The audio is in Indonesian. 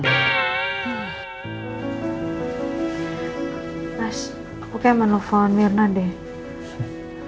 mas aku kayak menelpon mirna deh